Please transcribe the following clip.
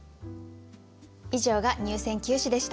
以上が入選九首でした。